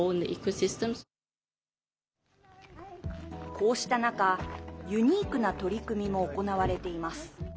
こうした中、ユニークな取り組みも行われています。